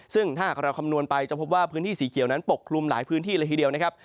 ซึ่งถ้าหากเราคำนวณไปจะพบว่าพื้นที่สีเขียวนั้นปกคลุมหลายพื้นที่เลยทีเดียวนะครับ